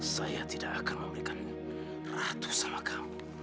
saya tidak akan memberikan ratu sama kamu